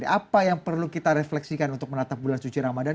apa yang perlu kita refleksikan untuk menatap bulan suci ramadan